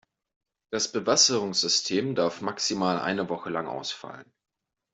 Das Bewässerungssystem darf maximal eine Woche lang ausfallen.